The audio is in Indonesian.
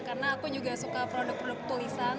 karena aku juga suka produk produk tulisan